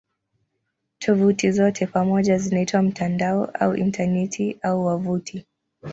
Tovuti zote pamoja zinaitwa "mtandao" au "Intaneti" au "wavuti".